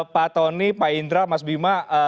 pak tony pak indra mas bima